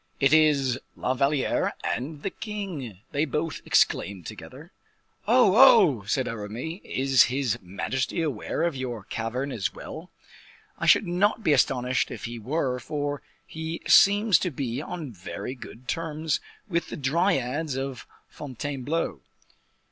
"It is La Valliere and the king," they both exclaimed together. "Oh, oh!" said Aramis, "is his majesty aware of your cavern as well? I should not be astonished if he were, for he seems to be on very good terms with the dryads of Fontainebleau."